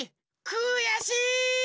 くやしい！